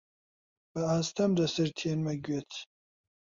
بەئاستەم دەسرتێنمە گوێت: